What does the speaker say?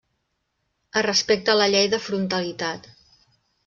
Es respecta la llei de frontalitat.